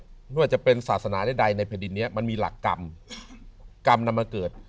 เพราะว่าจะเป็นศาสนาในใดในพระดินมันมีหลักกรรมกรรมนำเกิด